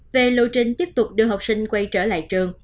về lộ trình tiếp tục đưa học sinh quay trở lại trường